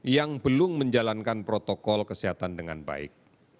yang belum menjalankan protokol kesehatan dengan baik